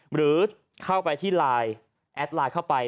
หรือเข้าไปที่ไลน์แอดไลน์เข้าไป